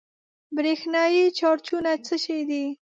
برېښنايي چارجونه څه شی دي؟